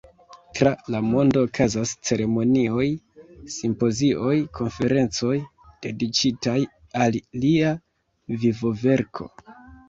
Tra la mondo okazas ceremonioj, simpozioj, konferencoj dediĉitaj al lia vivoverko.